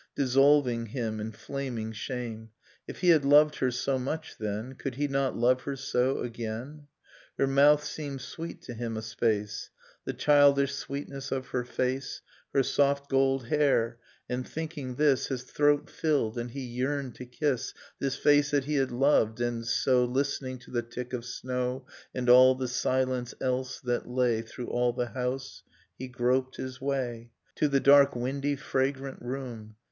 Dissolving him in flaming shame ... If he had loved her so much then, Could he not love her so again? Her mouth seemed sweet to him a space : The childish sweetness of her face: Her soft gold hair; and thinking this His throat filled, and he yearned to kiss This face that he had loved, and so, — Listening to the tick of snow, And all the silence, else, that lay Through all the house, — he groped his way [lOO] Dust in Starlight To the dark windy fragrant room.